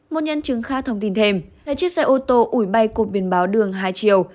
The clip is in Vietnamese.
một nhận chứng khác thông tin thêm là chiếc xe ô tô ủi bay cột biên báo đường hai chiều